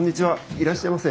いらっしゃいませ。